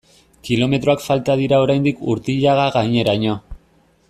Kilometroak falta dira oraindik Urtiagaineraino.